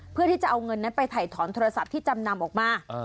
เพื่อที่จะเอาเงินนั้นไปถ่ายถอนโทรศัพท์ที่จำนำออกมา